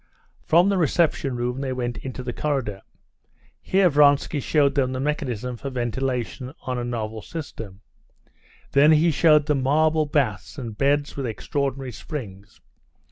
From the reception room they went into the corridor. Here Vronsky showed them the mechanism for ventilation on a novel system. Then he showed them marble baths, and beds with extraordinary springs.